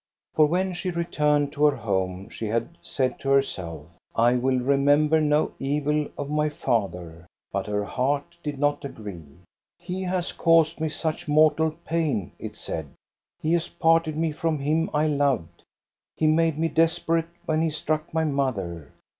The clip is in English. For when she returned to her home she had said to herself, I will remember no evil of my father." But her heart did not agree. " He has caused me such mortal pain," it said ;" he OLD SONGS 357 s parted me from him I loved ; he made me desper ate when he struck my mother.